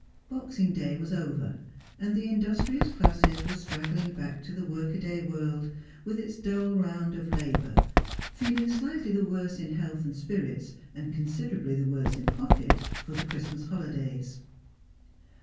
Boxing Day was over, and the industrious classes were straggling back to the work a day world with its dull round of labour, feeling slightly the worse in health and spirits, and considerably the worse in pocket, for the Christmas holidays.